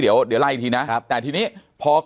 เดี๋ยวไล่อีกทีนะ